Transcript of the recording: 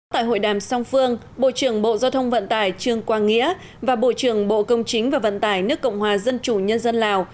tại hội đàm song phương bộ trưởng bộ giao thông vận tải trương quang nghĩa và bộ trưởng bộ công chính và vận tải nước cộng hòa dân chủ nhân dân lào